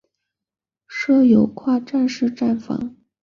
设有跨站式站房。